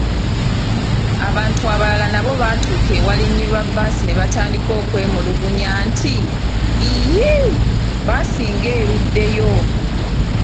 Abantu abalala nabo baatuuka awalinyirwa bbaasi ne batandika okwemulugunya nti, yiiii, bbaasi nga eruddeyo?